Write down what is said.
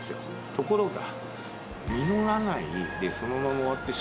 ところが。